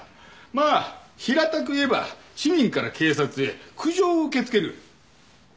まあ平たく言えば市民から警察へ苦情を受け付ける窓口業務だな。